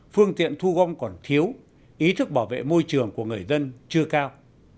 phương tiện thu gom còn thiếu ý thức bảo vệ môi trường của người dân chưa cao